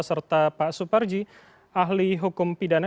serta pak suparji ahli hukum pidana